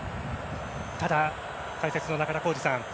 ただ、解説の中田浩二さん。